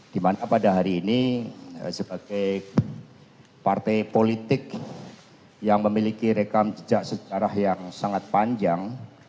dimana pada hari ini sebagai partai politik yang memiliki rekam jejak sejarah yang sangat panjang